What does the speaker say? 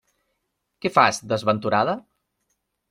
Què fas, desventurada?